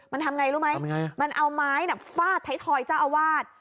มันทำไงรู้ไหมมันเอาไม้เนี่ยฟาดท้ายทอยท่านอาวาท